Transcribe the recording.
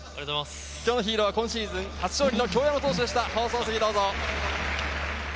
今日のヒーローは今シーズン初勝利の京山投手でした。